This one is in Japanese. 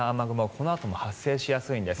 このあとも発生しやすいんです。